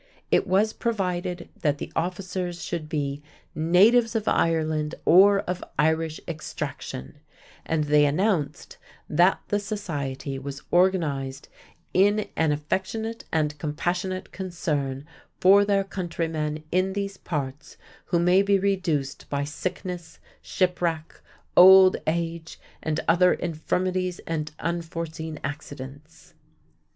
It was provided that the officers should be "natives of Ireland or of Irish extraction," and they announced that the Society was organized "in an affectionate and Compassionate concern for their countrymen in these Parts who may be reduced by Sickness, Shipwrack, Old Age, and other Infirmities and unforeseen Accidents."